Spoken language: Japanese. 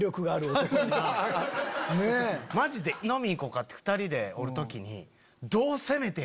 マジで飲み行こうかって２人でおる時に。